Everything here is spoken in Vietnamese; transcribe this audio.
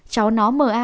cháu nói m a